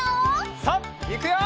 さあいくよ！